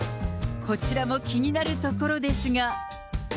こちらも気になるところですが。